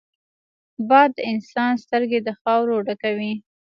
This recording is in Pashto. باد د انسان سترګې د خاورو ډکوي